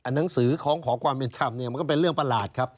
หนังสือของขอความเป็นธรรมเนี่ยมันก็เป็นเรื่องประหลาดครับ